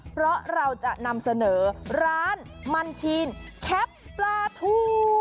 เพราะเราจะนำเสนอร้านมันชีนแคปปลาทู